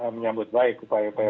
menyambut baik upaya upaya